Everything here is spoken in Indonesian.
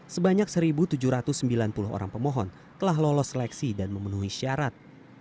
sebanyak satu tujuh ratus sembilan puluh orang pemohon telah lolos seleksi dan memenuhi syarat